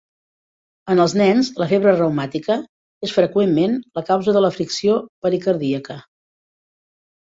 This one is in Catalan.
En els nens, la febre reumàtica és freqüentment la causa de la fricció pericardíaca.